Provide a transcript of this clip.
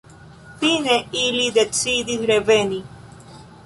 Fine ili decidis reveni.